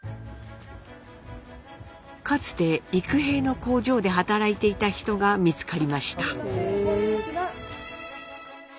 かつて幾平の工場で働いていた人が見つかりました。